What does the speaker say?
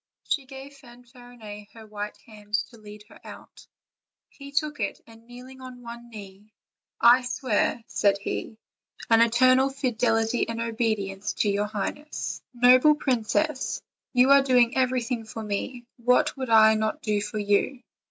She gave Fan farinet her white hand to lead her out; he took it, and kneeling on one knee: "I swear," said he, "an eternal fidelity and obedience to your highness. Noble princess, you are doing everything for me; vhat would I not do for you?"